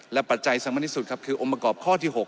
และปัจจัยสำหรับที่สุดคืออมประกอบข้อที่๖